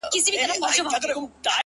که په ژړا کي مصلحت وو; خندا څه ډول وه;